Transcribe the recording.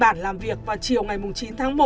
bà lan đã làm việc vào chiều ngày chín tháng một